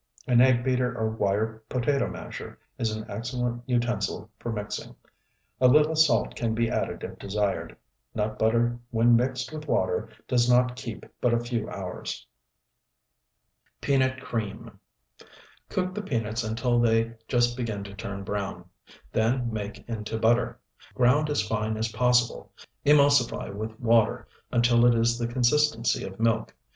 An egg beater or wire potato masher is an excellent utensil for mixing. A little salt can be added if desired. Nut butter when mixed with water does not keep but a few hours. PEANUT CREAM Cook the peanuts until they just begin to turn brown. Then make into butter, ground as fine as possible. Emulsify with water until it is the consistency of milk.